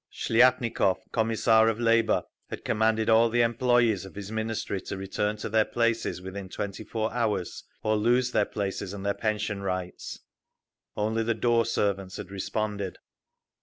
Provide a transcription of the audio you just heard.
Shliapnikov, Commissar of Labour, had commanded all the employees of his Ministry to return to their places within twenty four hours, or lose their places and their pension rights; only the door servants had responded….